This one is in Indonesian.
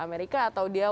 harus kena datang ke sana